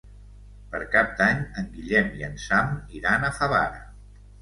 Per Cap d'Any en Guillem i en Sam iran a Favara.